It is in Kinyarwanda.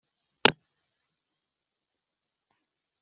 umwuzukuru yaba yarose kubona ahiga kuri kiriya giti gishaje.